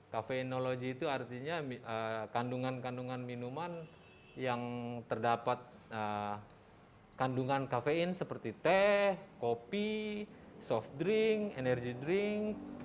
kafeinologi itu artinya kandungan kandungan minuman yang terdapat kandungan kafein seperti teh kopi soft drink energy drink